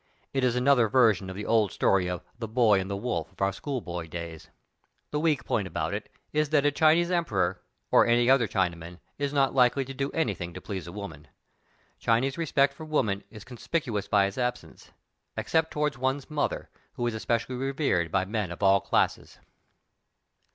It is another version of the old story of "The Boy and the Wolf'' of our school boy days. The weak point about it is that a Chinese emperor, or any other Chinaman, is not likely to do anything to please a THE GREAT WALL OF CHINA. 189 woman. Chinese respect for woman is conspicu ous by its absence, except toward one's mother, who is especially revered by men of all classes.